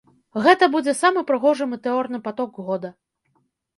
Гэта будзе самы прыгожы метэорны паток года.